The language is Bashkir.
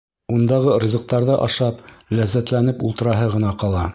Ундағы ризыҡтарҙы ашап, ләззәтләнеп ултыраһы ғына ҡала.